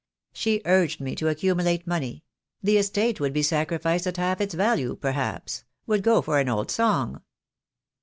She urged me to accumulate money — the estate would be sacrificed at half its value, perhaps, — would go for an old song.